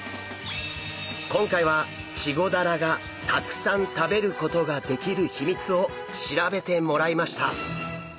今回はチゴダラがたくさん食べることができる秘密を調べてもらいました。